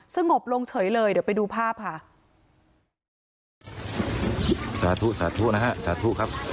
สงบลงเฉยเลยเดี๋ยวไปดูภาพค่ะ